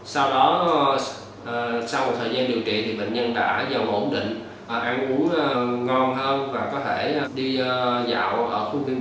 sau đó sau một thời gian điều trị thì bệnh nhân đã giàu ổn định ăn uống ngon hơn và có thể đi giảm